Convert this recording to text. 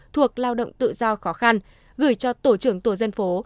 thuộc lao động tự do khó khăn gửi cho tổ trưởng tổ dân phố